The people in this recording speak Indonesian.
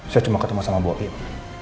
saya cuma ketemu sama bobi